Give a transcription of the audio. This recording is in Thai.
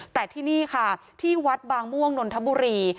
แต่ที่นี่ค่ะที่วัดบางม่วงนนทบุรี